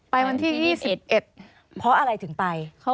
วันที่๒๑เพราะอะไรถึงไป